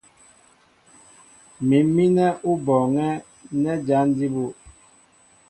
Mǐm mínɛ́ ó bɔɔŋɛ́ nɛ́ jǎn jí bú.